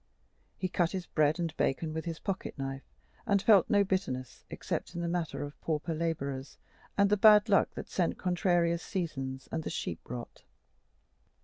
He cut his bread and bacon with his pocket knife, and felt no bitterness except in the matter of pauper laborers and the bad luck that sent contrarious seasons and the sheep rot.